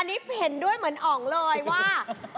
อันนี้เห็นด้วยเหมือนอ๋องเลยว่า